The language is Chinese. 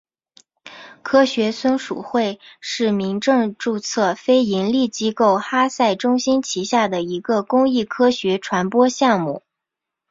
科学松鼠会是民政注册非营利机构哈赛中心旗下的一个公益科学传播项目。